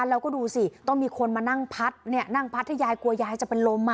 แล้วก็ดูสิต้องมีคนมานั่งพัดนั่งพัดให้ยายกลัวยายจะเป็นลม